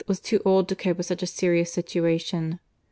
was too old to cope with such a serious situation.